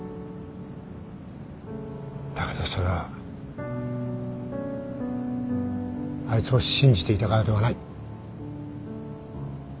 だけどそれはあいつを信じていたからではない。